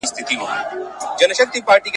شربتونه څنګه ساتل کیږي؟